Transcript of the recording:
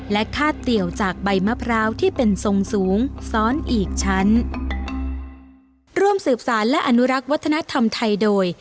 และค่าเตี่ยวจากใบมะพร้าวที่เป็นทรงสูงซ้อนอีกชั้นร่วมสืบสารและอนุรักษ์วัฒนธรรมไทยโดย